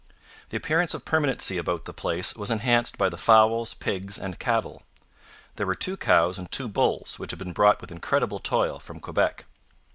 The appearance of permanency about the place was enhanced by the fowls, pigs, and cattle. There were two cows and two bulls, which had been brought with incredible toil from Quebec.